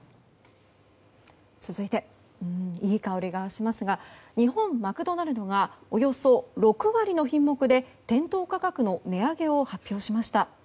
続いていい香りがしますが日本マクドナルドがおよそ６割の品目で店頭価格の値上げを発表しました。